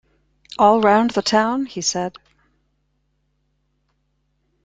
‘All round the town?’ he said.